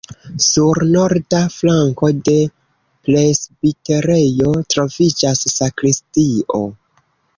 Sur norda flanko de presbiterejo troviĝas sakristio.